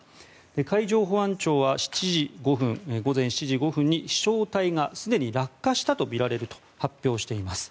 海上保安庁は午前７時５分に飛翔体がすでに落下したとみられると発表しています。